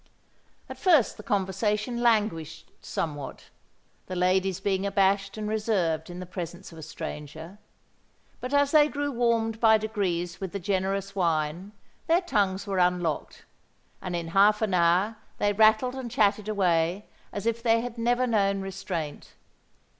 At first the conversation languished somewhat, the ladies being abashed and reserved in the presence of a stranger; but as they grew warmed by degrees with the generous wine, their tongues were unlocked; and in half an hour they rattled and chatted away as if they had never known restraint.